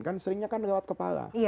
kan seringnya kan lewat kepala